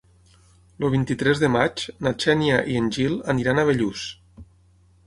El vint-i-tres de maig na Xènia i en Gil aniran a Bellús.